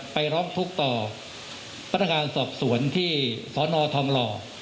ไปร้องทุกข์ต่อพนักงานสอบสวนที่สนทองหล่อ